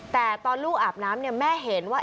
แต่ตอนลูกอาบน้ำแม่เห็นว่า